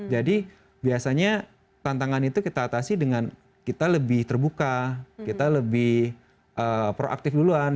jadi biasanya tantangan itu kita atasi dengan kita lebih terbuka kita lebih proaktif duluan